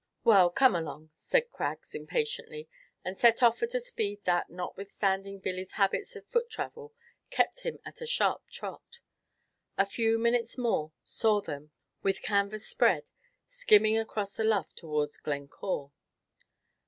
"Well, come along," said Craggs, impatiently, and set off at a speed that, notwithstanding Billy's habits of foot travel, kept him at a sharp trot. A few minutes more saw them, with canvas spread, skimming across the lough, towards Glencore.